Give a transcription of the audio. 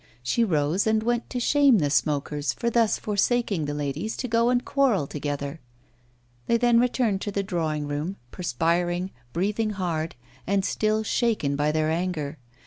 She rose and went to shame the smokers for thus forsaking the ladies to go and quarrel together. They then returned to the drawing room, perspiring, breathing hard, and still shaken by their anger.